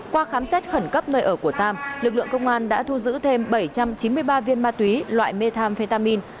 qua khám xét khẩn cấp nơi ở của tam lực lượng công an đã thu giữ thêm bảy trăm chín mươi ba viên ma túy loại methamphetamin